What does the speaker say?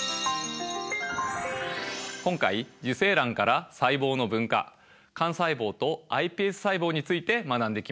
今回受精卵から細胞の分化幹細胞とｉＰＳ細胞について学んできました。